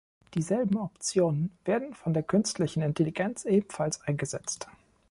Dieselben Optionen werden von der künstlichen Intelligenz ebenfalls eingesetzt.